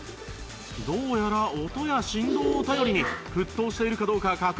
どうやら音や振動を頼りに沸騰しているかどうか確認しているようです